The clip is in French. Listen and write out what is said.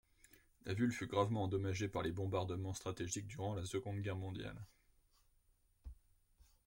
La ville fut gravement endommagée par les bombardements stratégiques durant la Seconde Guerre mondiale.